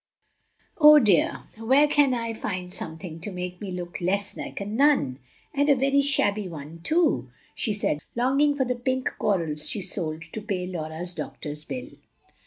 "Oh dear! where CAN I find something to make me look less like a nun, and a very shabby one, too?" she said, longing for the pink corals she sold to pay Laura's doctor's bill.